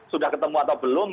sudah ketemu atau belum